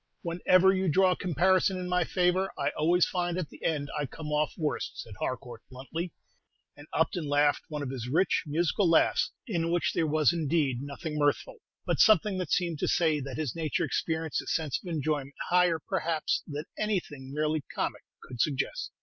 "Whenever you draw a comparison in my favor, I always find at the end I come off worst," said Harcourt, bluntly; and Upton laughed one of his rich, musical laughs, in which there was indeed nothing mirthful, but something that seemed to say that his nature experienced a sense of enjoyment higher, perhaps, than anything merely comic could suggest.